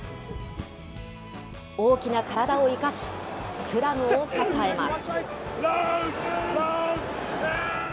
大きな体を生かし、スクラムを支えます。